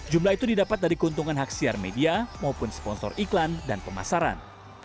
jumlah itu didapat dari keuntungan hak siar media maupun sponsor iklan dan pemasaran